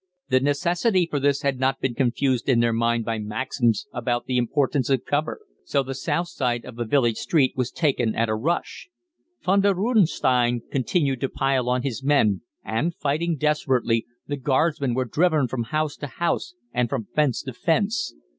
The necessity for this had not been confused in their minds by maxims about the importance of cover, so the south side of the village street was taken at a rush. Von der Rudesheim continued to pile on his men, and, fighting desperately, the Guardsmen were driven from house to house and from fence to fence.